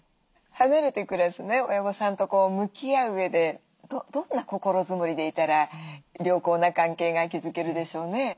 離れて暮らす親御さんと向き合ううえでどんな心づもりでいたら良好な関係が築けるでしょうね？